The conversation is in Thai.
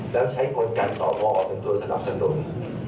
แล้วใช้คนกันต่อบ่อเป็นตัวสนับสนุน